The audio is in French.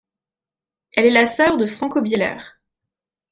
Elle est la sœur de Franco Bieler.